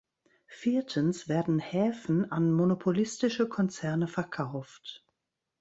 Viertens werden Häfen an monopolistische Konzerne verkauft.